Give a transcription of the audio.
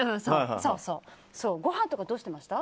ごはんとかどうしてました？